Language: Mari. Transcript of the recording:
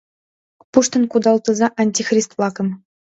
— Пуштын кудалтыза антихрист-влакым!